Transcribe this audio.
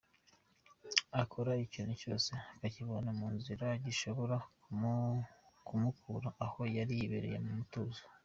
Akora ikintu cyose akakivana mu nzira gishobora kumukura aho yari yibereye mu mutuzo.